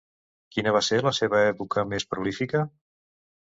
Quina va ser la seva època més prolífica?